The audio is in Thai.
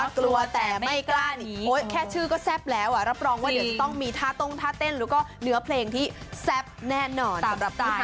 อุ้ยน่ากลัวจริงน่ากลัว